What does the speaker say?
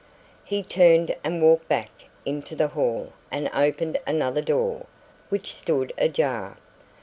He turned and walked back into the hall and opened another door, which stood ajar.